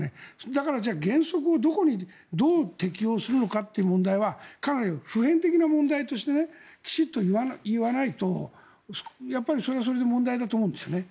だから、原則をどこにどう適用するのかという問題はかなり普遍的な問題としてきちんと言わないとそれはそれで問題だと思うんですよね。